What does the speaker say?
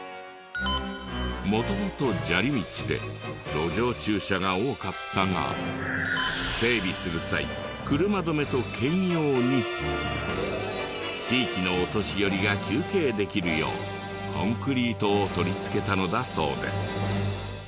元々砂利道で路上駐車が多かったが整備する際車止めと兼用に地域のお年寄りが休憩できるようコンクリートを取り付けたのだそうです。